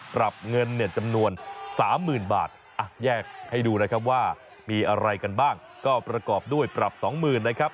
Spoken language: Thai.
ปรับเงินเนี่ยจำนวน๓๐๐๐บาทแยกให้ดูนะครับว่ามีอะไรกันบ้างก็ประกอบด้วยปรับ๒๐๐๐นะครับ